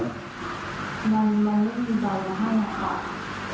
มีนะเอาที่เราออกให้ไหมคะ